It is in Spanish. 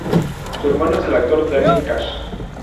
Su hermano es el actor Daniel Kash.